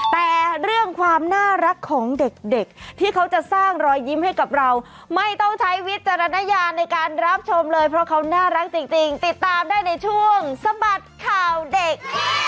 แต่เรื่องความน่ารักของเด็กที่เขาจะสร้างรอยยิ้มให้กับเราไม่ต้องใช้วิจารณญาณในการรับชมเลยเพราะเขาน่ารักจริงติดตามได้ในช่วงสะบัดข่าวเด็ก